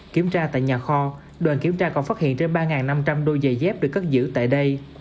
kiểm tra tại nhà kho đoàn kiểm tra còn phát hiện trên ba năm trăm linh đôi giày dép được cất giữ tại đây